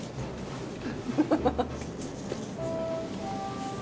フフフフ。